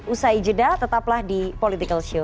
usai jeda tetaplah di political show